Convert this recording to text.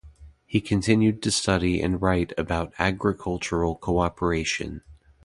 He continued to study and write about agricultural cooperation.